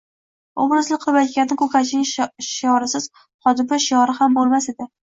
Obrazli qilib aytganda, ko‘katchining shiorisiz xodima shiori ham bo‘lmas edi